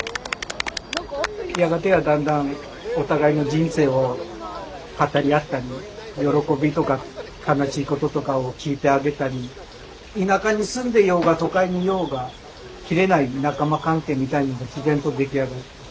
やがてはだんだんお互いの人生を語り合ったり喜びとか悲しいこととかを聞いてあげたり田舎に住んでいようが都会にいようが切れない仲間関係みたいなのが自然と出来上がって。